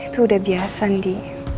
itu udah biasa andi